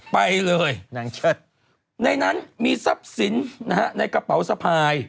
ไปเลยในนั้นมีทรัพย์สินนะฮะในกระเป๋าสะพาย